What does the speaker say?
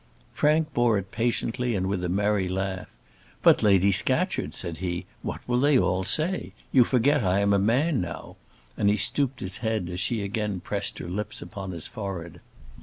Frank bore it patiently and with a merry laugh. "But, Lady Scatcherd," said he, "what will they all say? you forget I am a man now," and he stooped his head as she again pressed her lips upon his forehead.